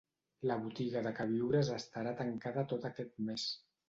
La botiga de queviures estarà tancada tot aquest mes.